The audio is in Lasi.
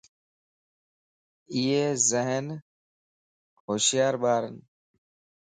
ايي ذھين / ھوشيار ٻارن